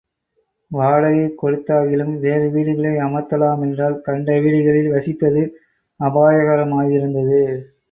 வாடகை கொடுத்தாகிலும் வேறு வீடுகளை அமர்த்தலாமென்றால் கண்ட வீடுகளில் வசிப்பது அபாயகரமாயிருந்தது.